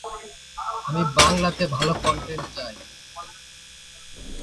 প্রাচীন ভারতে ইতিহাস বিভাগের অধ্যাপনা দিয়ে কর্মজীবন শুরু করেন।